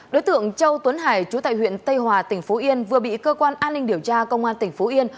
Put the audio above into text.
đối tượng châu tuấn hải chú tại huyện tây hòa tỉnh phú yên vừa bị cơ quan an ninh điều tra công an tỉnh phú yên